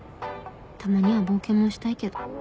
たまには冒険もしたいけど